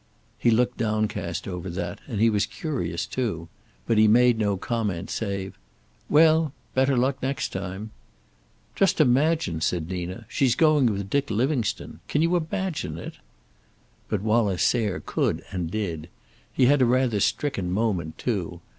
He looked downcast over that, and he was curious, too. But he made no comment save: "Well, better luck next time." "Just imagine," said Nina. "She's going with Dick Livingstone. Can you imagine it?" But Wallace Sayre could and did. He had rather a stricken moment, too.